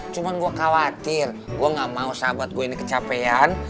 cuma gue khawatir gue gak mau sahabat gue ini kecapean